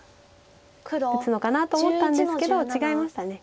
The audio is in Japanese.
打つのかなと思ったんですけど違いました。